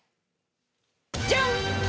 ジャン！